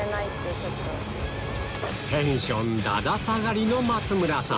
テンションだだ下がりの松村さん